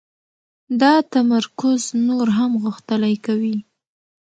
دا تمرکز نور هم غښتلی کوي